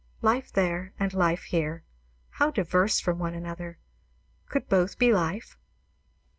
Life there and life here, how diverse from one another! Could both be life?